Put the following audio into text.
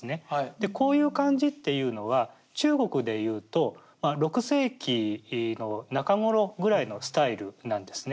でこういう感じっていうのは中国でいうと６世紀の中頃ぐらいのスタイルなんですね。